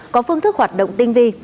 có phương thức hoạt động tinh vi